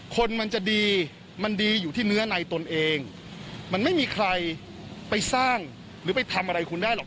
คนมันจะดีมันดีอยู่ที่เนื้อในตนเองมันไม่มีใครไปสร้างหรือไปทำอะไรคุณได้หรอก